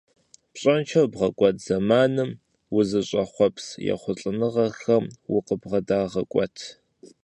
Пщӏэншэу бгъэкӏуэд зэманым узыщӏэхъуэпс ехъулӏэныгъэхэм укъыбгъэдагъэкӏуэт.